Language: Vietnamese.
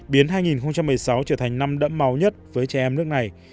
biến hai nghìn một mươi sáu trở thành năm đẫm máu nhất với trẻ em nước này